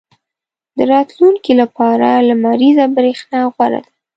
• د راتلونکي لپاره لمریزه برېښنا غوره ده.